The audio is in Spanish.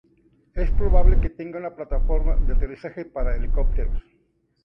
Es probable que tenga una plataforma de aterrizaje para helicópteros.